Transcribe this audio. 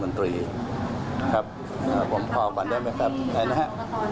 ฟังเสียงประธานกอกตที่สามารถวันของที่ทาง่อนก็ต้องมาเป็นเกาะป้องกัน